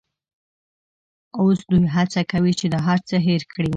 اوس دوی هڅه کوي چې دا هرڅه هېر کړي.